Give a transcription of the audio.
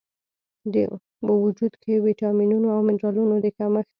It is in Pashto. و وجود کې د ویټامینونو او منرالونو د کمښت